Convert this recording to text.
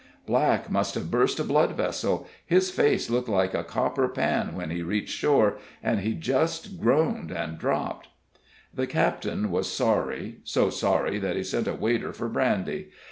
Black must have burst a blood vessel his face looked like a copper pan when he reached shore, and he just groaned and dropped." The captain was sorry, so sorry that he sent a waiter for brandy.